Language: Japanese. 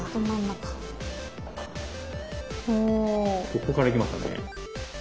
ここからいきましたね。